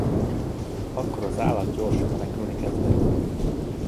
Akkor az állat gyorsan menekülni kezdett.